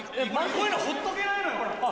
こういうのほっとけないのよ